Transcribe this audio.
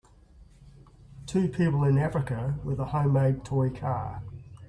Two people in Africa with a homemade toy car.